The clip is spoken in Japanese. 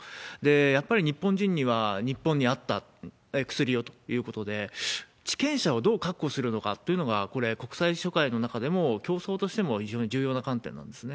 やっぱり日本人には日本に合った薬をということで、治験者をどう確保するのかというのが、これ、国際社会の中でも、競争としても非常に重要な観点なんですね。